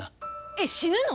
えっ死ぬの？